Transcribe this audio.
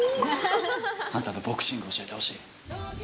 あんたにボクシングを教えてほしい。